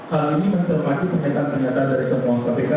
hal ini mencermati penyataan ternyata dari permohon kpk